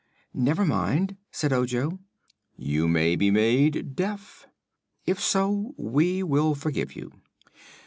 "Never mind," said Ojo. "You may be made deaf." "If so, we will forgive you."